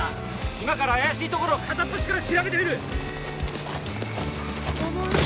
今から怪しい所を片っ端から調べてみる！